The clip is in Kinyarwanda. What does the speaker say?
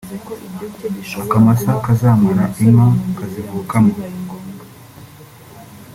Akamasa kazamara inka kazivukamo